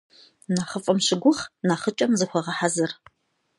Нэхъыфӏым щыгугъ, нэхъыкӏэм зыхуэгъэхьэзыр.